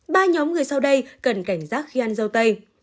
ba nhóm người sau đây cần cảnh giác khi ăn dâu tây